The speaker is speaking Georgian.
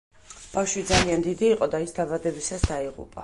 ბავშვი ძალიან დიდი იყო და ის დაბადებისას დაიღუპა.